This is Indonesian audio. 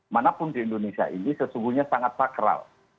manapun di indonesia ini sesungguhnya sangat sakral